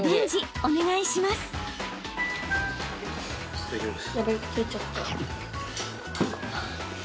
いただきます。